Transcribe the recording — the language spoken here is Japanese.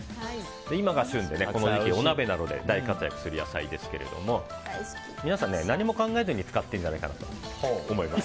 今が旬でこの時期お鍋などで大活躍するお野菜ですが皆さん、何も考えずに使っているんじゃないかなと思います。